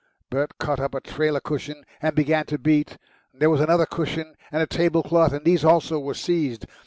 Bert caught up a trailer cushion and began to beat; there was another cushion and a table cloth, and these also were seized.